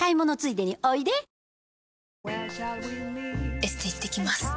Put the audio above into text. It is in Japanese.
エステ行ってきます。